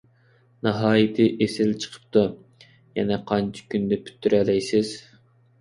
ناھايىتى ئېسىل چىقىپتۇ. يەنە قانچە كۈندە پۈتتۈرەلەيسىز؟